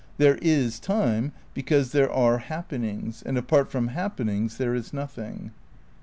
There is time because there are happenings and apart from happenings there is nothing."